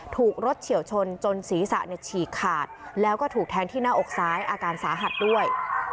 ถูกรถเฉียวชนจนศีรษะฉีกขาดแล้วก็ถูกแทงที่หน้าอกซ้ายอาการสาหัสด้วย